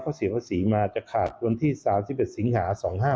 ข้อศีลภาษีมาจะขาดจนที่๓๑สิงหา๒๕๖๖